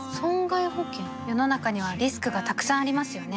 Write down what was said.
世の中にはリスクがたくさんありますよね